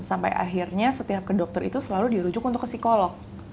sampai akhirnya setiap ke dokter itu selalu dirujuk untuk ke psikolog